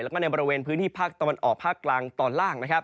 แล้วก็ในบริเวณพื้นที่ภาคตะวันออกภาคกลางตอนล่างนะครับ